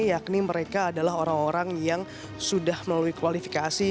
yakni mereka adalah orang orang yang sudah melalui kualifikasi